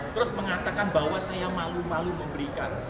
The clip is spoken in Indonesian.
terus mengatakan bahwa saya malu malu memberikan